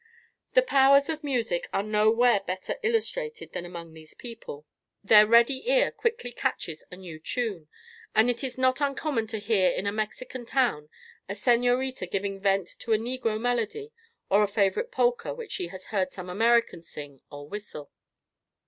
The powers of music are nowhere better illustrated than among these people. Their ready ear quickly catches a new tune, and it is not uncommon to hear, in a Mexican town, a señorita giving vent to a negro melody or a favorite polka which she has heard some American sing or whistle.